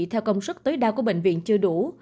theo công suất tối đa của bệnh viện chưa đủ